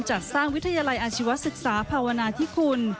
จัดสร้างวิทยาลัยอาชีวศึกษาภาวนาธิคุณ